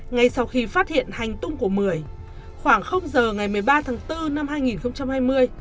ngay sau khi phát hiện hành tung của mười khoảng giờ ngày một mươi ba tháng bốn năm hai nghìn hai mươi